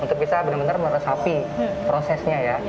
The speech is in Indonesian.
untuk bisa benar benar meresapi prosesnya ya